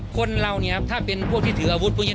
คนเราเนี่ยครับถ้าเป็นพวกที่ถืออาวุธ